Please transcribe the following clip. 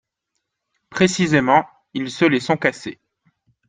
Précisément, ils se les sont cassées